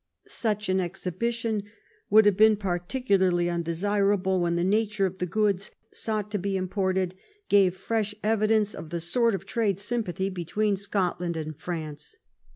Such an exhibition would have been particularly undesirable when the nature of the goods sought to be imported gave fresh evidence of the sort of trade sympathy be tween Scotland and France.